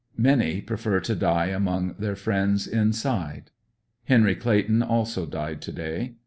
Mang prefer to die among their friends inside. Henry Clayton also died to day.